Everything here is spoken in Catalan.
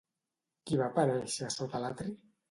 Qui va aparèixer sota l'atri?